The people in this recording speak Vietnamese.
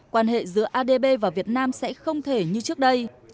quan hệ giữa adb và việt nam sẽ không thể như trước đây